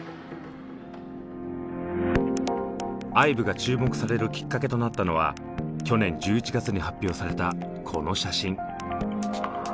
ＩＶＥが注目されるきっかけとなったのは去年１１月に発表されたこの写真。